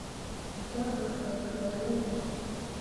Zah gah fãi fãi linɓo.